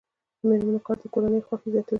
د میرمنو کار د کورنۍ خوښۍ زیاتوي.